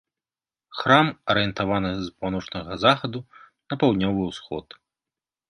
Храм арыентаваны з паўночнага захаду на паўднёвы ўсход.